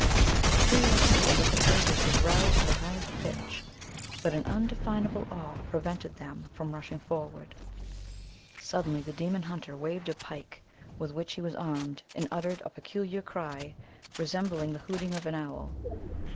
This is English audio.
The curiosity of the beholders was roused to the highest pitch, but an undefinable awe prevented them from rushing forward. Suddenly the demon hunter waved a pike with which he was armed, and uttered a peculiar cry, resembling the hooting of an owl.